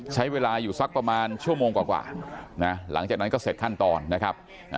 ใช้เวลาอยู่สักประมาณชั่วโมงกว่านะหลังจากนั้นก็เสร็จขั้นตอนนะครับ